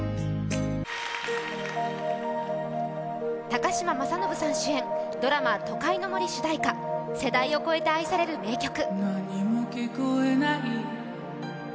高嶋政伸さん主演ドラマ「都会の森」主題歌世代を超えて愛される名曲。